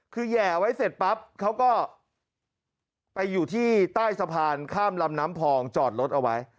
คือแห่ไว้เสร็จปั๊บเขาก็ไปอยู่ที่ใต้สะพานข้ามลำน้ำพองจอดรถเอาไว้